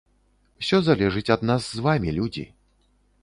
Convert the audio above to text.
Усё залежыць ад нас з вамі, людзі.